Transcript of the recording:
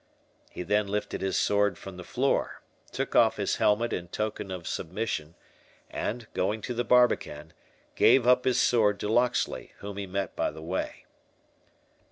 He then lifted his sword from the floor, took off his helmet in token of submission, and, going to the barbican, gave up his sword to Locksley, whom he met by the way.